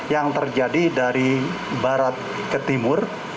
yang terjadi dari barat ke timur